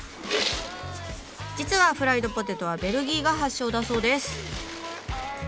実はフライドポテトはベルギーが発祥だそうです。